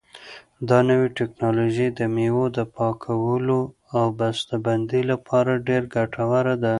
دا نوې ټیکنالوژي د مېوو د پاکولو او بسته بندۍ لپاره ډېره ګټوره ده.